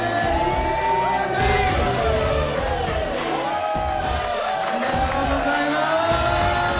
フォー！おめでとうございます！